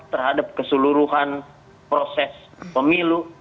terhadap keseluruhan proses pemilu